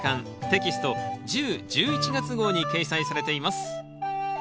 テキスト１０・１１月号に掲載されています。